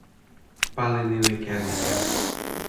pali ni li ken ike.